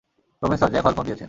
Professor, Jack হল phone দিয়েছেন।